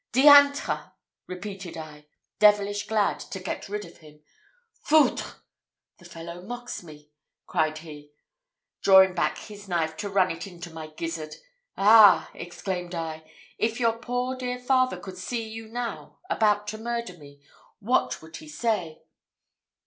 'Diantre!' repeated I, devilish glad to get rid of him. 'Foutre! the fellow mocks me!' cried he, drawing back his knife to run it into my gizzard. 'Ah!' exclaimed I, 'if your poor dear father could see you now about to murder me, what would he say?'